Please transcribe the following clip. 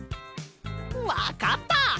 わかった！